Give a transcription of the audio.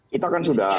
kita kan sudah